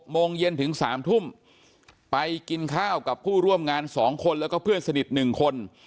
โมงเย็นถึง๓ทุ่มไปกินข้าวกับผู้ร่วมงาน๒คนแล้วก็เพื่อนสนิท๑คน